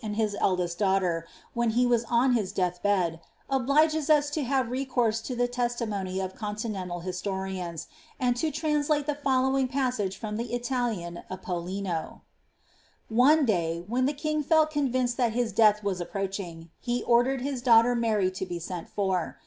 and his eldest daugliter, when he was on his death bed, obliges us to have recourse to the testimony of continental histo rians, and to translate the following passage from the Italian of Pollino: ^>^ One day, when the king felt convinced that his death was approach ing, he ordered his daughter Mary to be sent for.